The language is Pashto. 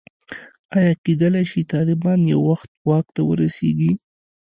ایا کېدلای شي طالبان یو وخت واک ته ورسېږي.